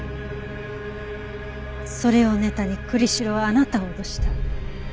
それをネタに栗城はあなたを脅した。